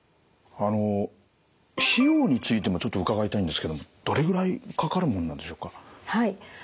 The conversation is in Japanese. あの費用についてもちょっと伺いたいんですけどもどれぐらいかかるもんなんでしょうか？